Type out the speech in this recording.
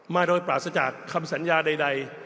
มาโดยปราศจากคำสัญญาใด